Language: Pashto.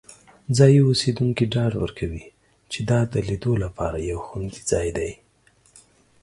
ځایی اوسیدونکي ډاډ ورکوي چې دا د لیدو لپاره یو خوندي ځای دی.